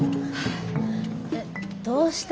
えっどうした？